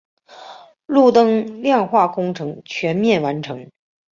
路灯亮化工程全面完成。